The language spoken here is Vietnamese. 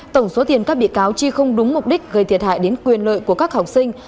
tổng số tiền các bị cáo chi không đúng mục đích gây thiệt hại đến quyền lợi của các học sinh